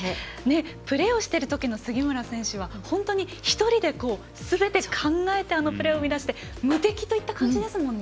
プレーをしているときの杉村選手は本当に１人ですべて考えてあのプレーを生み出して無敵といった感じですもんね。